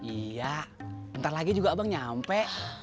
iya ntar lagi juga abang nyampe